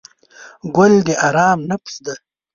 ګل د آرام نفس دی.